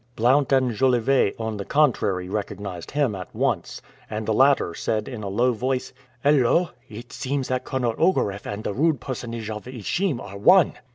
Blount and Jolivet, on the contrary, recognized him at once, and the latter said in a low voice, "Hullo! It seems that Colonel Ogareff and the rude personage of Ichim are one!"